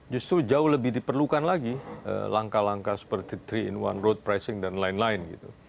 justru jauh lebih diperlukan lagi langkah langkah seperti tiga in satu road pricing dan lain lain gitu